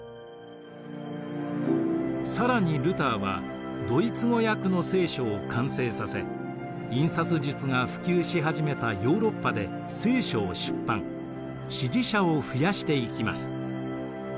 更にルターはドイツ語訳の「聖書」を完成させ印刷術が普及し始めたヨーロッパで「聖書」を出版支持者を増やしていきます。